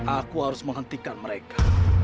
aku harus menghentikan mereka